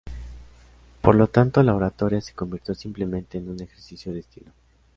Por lo tanto, la oratoria se convirtió simplemente en un ejercicio de estilo.